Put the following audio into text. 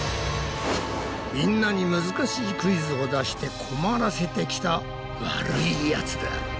みんなに難しいクイズを出して困らせてきた悪いヤツだ。